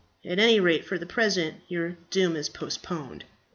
At any rate for the present your doom is postponed."